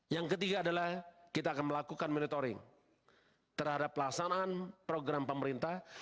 yang ketiga adalah kita akan melakukan monitoring terhadap pelaksanaan program pemerintah